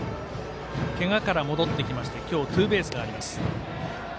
けがから戻ってきまして今日ツーベースがあります。